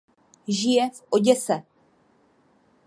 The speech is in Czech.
Žije v Oděse.